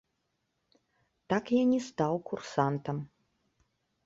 Так я не стаў курсантам.